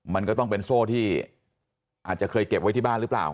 มันก็ต้องเป็นโซ่ที่อาจจะเคยเก็บไว้ที่บ้านหรือเปล่า